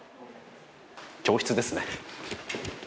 教室ですね。